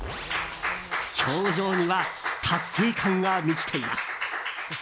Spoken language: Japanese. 表情には達成感が満ちています。